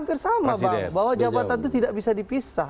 ampir sama bahwa jabatan itu tidak bisa dipisah